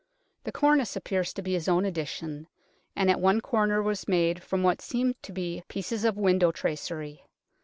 The cornice appears to be his own addition, and at one corner was made from what seem to be pieces of window tracery.